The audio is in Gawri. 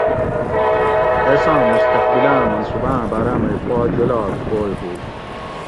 ایس آں مستقبلاۤں منصوباۤں باراۤ مئی پا جولاگ اوئے ہُو